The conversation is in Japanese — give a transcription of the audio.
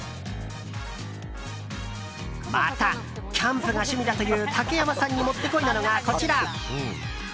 また、キャンプが趣味だという竹山さんにもってこいなのが、こちら。